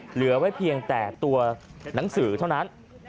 เหลือไว้เพียงแต่ตัวหนังสือเท่านั้น